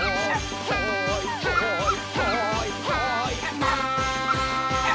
「はいはいはいはいマン」